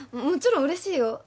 もちろんうれしいよ。